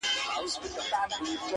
د خپلي ژبي په بلا,